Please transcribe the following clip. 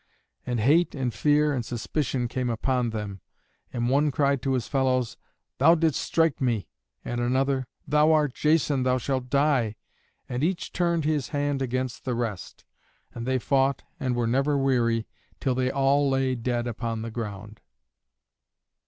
And hate and fear and suspicion came upon them, and one cried to his fellows, "Thou didst strike me," and another, "Thou art Jason, thou shalt die," and each turned his hand against the rest, and they fought and were never weary, till they all lay dead upon the ground.